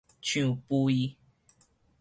樹蜚